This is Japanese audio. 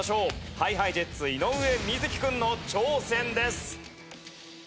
ＨｉＨｉＪｅｔｓ井上瑞稀君の挑戦です。